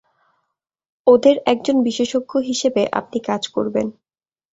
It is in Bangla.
ওদের একজন বিশেষজ্ঞ হিসেবে আপনি কাজ করবেন।